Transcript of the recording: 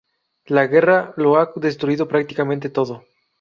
La guerra lo ha destruido prácticamente todo.